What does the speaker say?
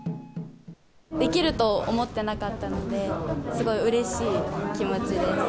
できると思ってなかったので、すごいうれしい気持ちです。